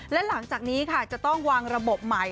และหลังจากนี้ค่ะจะต้องวางระบบใหม่